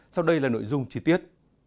sau đây là nội dung chi tiết